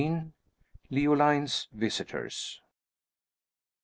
LEOLINE'S VISITORS.